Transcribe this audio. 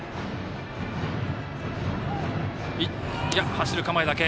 走る構えだけ。